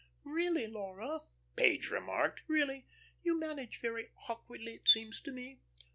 "Really, Laura," Page remarked. "Really, you manage very awkwardly, it seems to me."